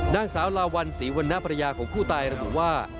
นางสาวลาวัลศรีวรรณภรรยาของผู้ตายระบุว่า